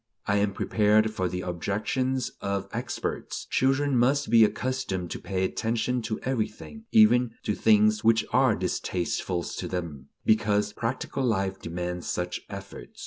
I am prepared for the objections of "experts." Children must be accustomed to pay attention to everything, even to things which are distasteful to them, because practical life demands such efforts.